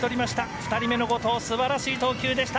２人目の後藤素晴らしい投球でした。